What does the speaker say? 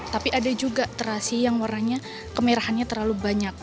tapi ada juga terasi yang warnanya kemerahannya terlalu banyak